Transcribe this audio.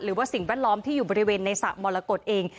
สิ่งแวดล้อมที่อยู่บริเวณในสระมรกฏเอง